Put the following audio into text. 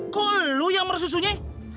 kok lo yang meresu sunyi